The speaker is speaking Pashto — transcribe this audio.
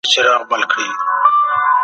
ماشومان روزني ته ضرورت لري